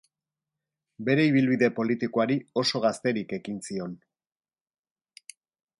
Bere ibilbide politikoari oso gazterik ekin zion.